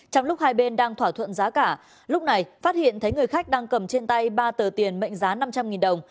trong lúc hai bên đang thỏa thuận giá cả lúc này phát hiện thấy người khách đang cầm trên tay ba tờ tiền mệnh giá năm trăm linh đồng